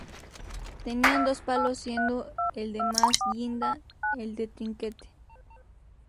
Tenían dos palos siendo el de más guinda el de trinquete.